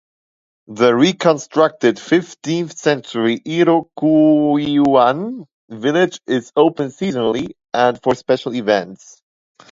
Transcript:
The reconstructed fifteenth century Iroquoian village is open seasonally and for special events.